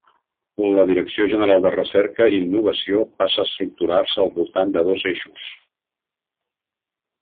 La Direcció General de Recerca i Innovació passa a estructurar-se al voltant de dos eixos.